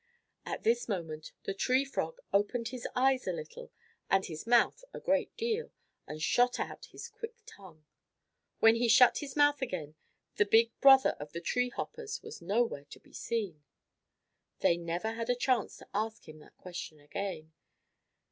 At this moment the Tree Frog opened his eyes a little and his mouth a great deal, and shot out his quick tongue. When he shut his mouth again, the big brother of the Frog Hoppers was nowhere to be seen. They never had a chance to ask him that question again.